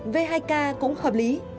v hai k cũng hợp lý